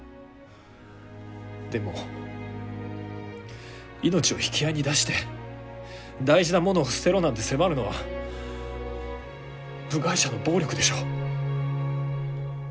でも命を引き合いに出して大事なものを捨てろなんて迫るのは部外者の暴力でしょう。